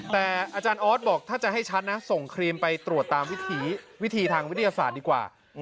แต่อาจารย์ออสบอกถ้าจะให้ชัดนะส่งครีมไปตรวจตามวิธีทางวิทยาศาสตร์ดีกว่า